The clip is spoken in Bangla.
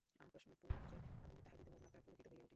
অকস্মাৎ পুত্রের আগমনে তাহার বিধবা মাতা পুলকিত হইয়া উঠিলেন।